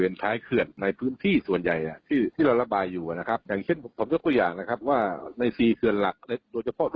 ในปี๕๔พายุนึงมา๔๕ลูกสวนกัน